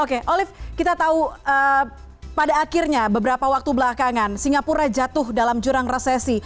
oke olive kita tahu pada akhirnya beberapa waktu belakangan singapura jatuh dalam jurang resesi